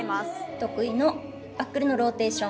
得意のバックでのローテーション。